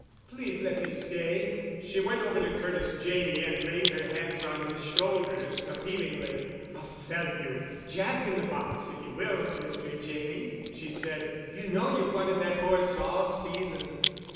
Please let me stay." She went over to Curtis Janney and laid her hands on his shoulders appealingly. "I'll sell you Jack in the Box if you will, Mr. Janney," she said. "You know you've wanted that horse all season."